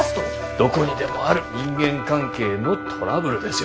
どこにでもある人間関係のトラブルですよ。